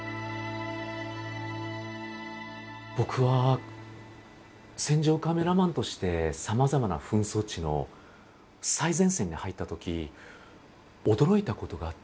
僕は戦場カメラマンとしてさまざまな紛争地の最前線に入ったとき驚いたことがあったんです。